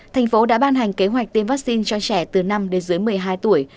thành phố đã ban hành kế hoạch tiêm vaccine cho trẻ từ năm đến dưới một mươi hai tuổi